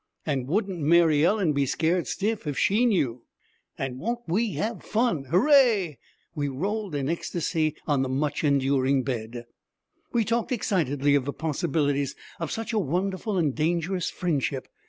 'An' wouldn't Mary Ellen be scared stiff if she knew?' 'An' won't we have fun? Hurray!' We rolled in ecstasy on the much enduring bed. We talked excitedly of the possibilities of such a wonderful and dangerous friendship.